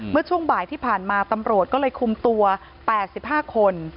เมื่อช่วงบ่ายที่ผ่านมาตำรวจก็เลยคุมตัว๘๕คน